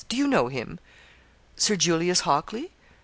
Do you know him?' 'Sir Julius Hockley?